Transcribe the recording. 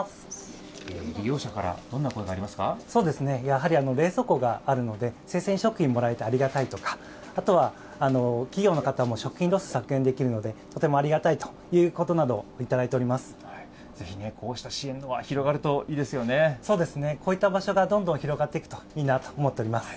利用者からどんな声がありまそうですね、やはり冷蔵庫があるので、生鮮食品もらえてありがたいとか、あとは企業の方も食品ロス削減できるので、とてもありがたいということなどを頂いてぜひね、こうした支援は広がそうですね、こういった場所がどんどん広がっていくといいなと思っております。